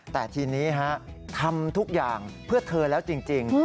แต่ทีนี้ทำทุกอย่างเพื่อเธอแล้วจริง